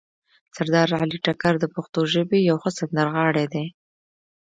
سردار علي ټکر د پښتو ژبې یو ښه سندرغاړی ده